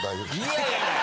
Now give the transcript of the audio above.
いやいや！